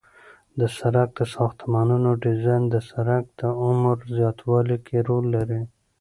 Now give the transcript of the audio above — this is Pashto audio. د سرک د ساختمانونو ډیزاین د سرک د عمر په زیاتوالي کې رول لري